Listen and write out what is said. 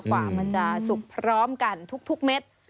กว่ามันจะสุกพร้อมกันทุกเม็ด